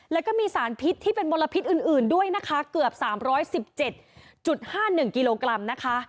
แล้วก็มีสารพิษที่เป็นมลพิษอื่นด้วยนะคะเกือบ๓๑๗๕๑กิโลกรัมนะคะ